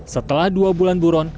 setelah dua bulan buron